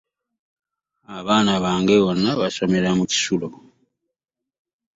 Abaana bange bonna basomera mu kisulo.